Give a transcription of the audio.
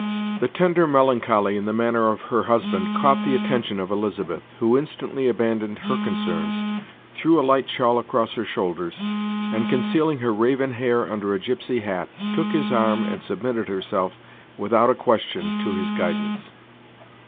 The tender melancholy in the manner of her husband caught the attention of Elizabeth, who instantly abandoned her concerns, threw a light shawl across her shoulders, and, concealing her raven hair under a gypsy hat, and took his arm, and submitted herself, without a question, to his guidance.